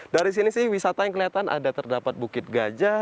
dari sini sih wisata yang kelihatan ada terdapat bukit gajah